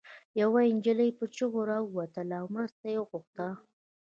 يوه انجلۍ په چيغو راووتله او مرسته يې غوښته